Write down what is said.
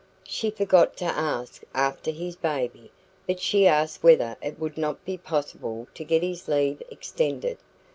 She forgot to ask after his baby; but she asked whether it would not be possible to get his leave extended.